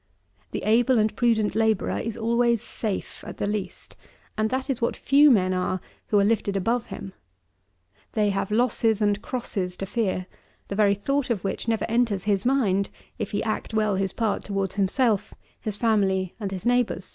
The able and prudent labourer is always safe, at the least; and that is what few men are who are lifted above him. They have losses and crosses to fear, the very thought of which never enters his mind, if he act well his part towards himself, his family and his neighbour.